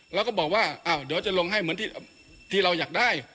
เราก็บอกว่าเดี๋ยวจะลงให้เหมือนที่เราอยากได้